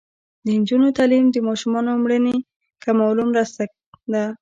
د نجونو تعلیم د ماشومانو مړینې کمولو مرسته ده.